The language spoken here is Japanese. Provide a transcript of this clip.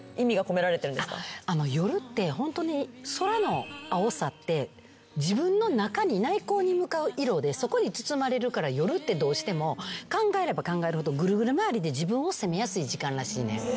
夜ってホントに空の青さって自分の中に内向に向かう色でそこに包まれるから夜ってどうしても考えれば考えるほどぐるぐる回りで自分を責めやすい時間らしいねん。